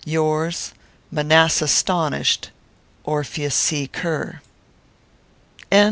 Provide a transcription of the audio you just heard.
Yours, Manassastonished, ORPHEUS C. KERR.